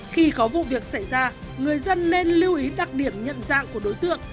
khi có vụ việc xảy ra người dân nên lưu ý đặc điểm nhận dạng của đối tượng